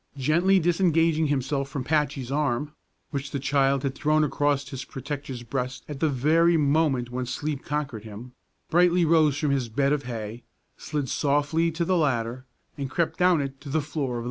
Gently disengaging himself from Patchy's arm, which the child had thrown across his protector's breast at the very moment when sleep conquered him, Brightly arose from his bed of hay, slid softly to the ladder, and crept down it to the floor of the barn.